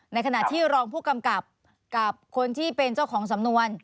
ในขณะที่รองผู้กำกับกับคนที่เป็นเจ้าของสำนวน